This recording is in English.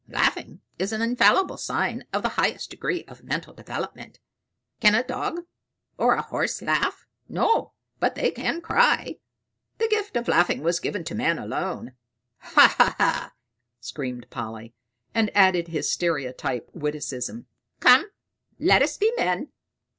Laughing is an infallible sign of the highest degree of mental development. Can a dog, or a horse laugh? No, but they can cry. The gift of laughing was given to man alone. Ha! ha! ha!" screamed Polly, and added his stereotype witticism. "Come, let us be men!"